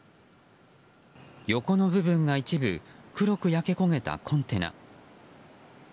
横の部分が一部黒く焼け焦げたコンテナ。